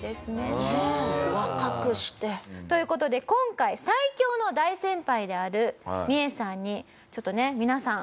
若くして。という事で今回最強の大先輩であるミエさんにちょっとね皆さん